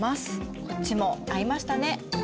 こっちも合いましたね。